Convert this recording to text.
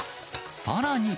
さらに。